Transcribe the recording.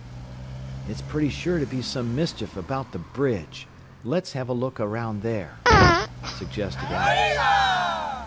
"It's pretty sure to be some mischief about the bridge. Let's have a look around there," suggested Alex.